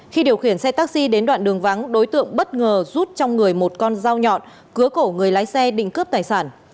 khi điều khiển xe taxi đến đoạn đường vắng đối tượng bất ngờ rút trong người một con dao nhọn cứa cổ người lái xe định cướp tài sản